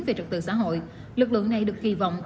về trực tự xã hội lực lượng này được kỳ vọng